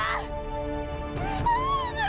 aku bukan membunuh